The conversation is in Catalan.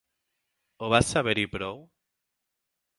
Ho vas saber i prou?